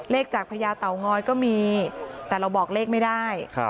เลขจากพญาเต่างอยก็มีแต่เราบอกเลขไม่ได้